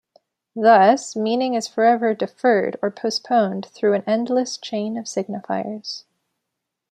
Thus, meaning is forever "deferred" or postponed through an endless chain of signifiers.